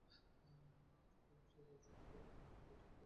সত্যান্বেষিগণের সমক্ষে নূতন ভাবস্রোতের দ্বার উন্মুক্ত হইতেছে।